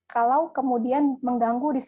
kalau kemudian mengganggu disitu